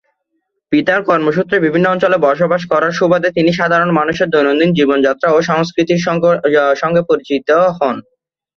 পিতার কর্মসূত্রে বিভিন্ন অঞ্চলে বসবাস করার সুবাদে তিনি সাধারণ মানুষের দৈনন্দিন জীবনযাত্রা ও সংস্কৃতির সঙ্গে পরিচিত হন।